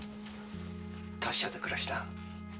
達者で暮らしな。